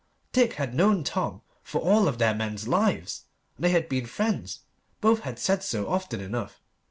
Dick had known Tom for all of their men's lives, and they had been friends. Both had said so often enough.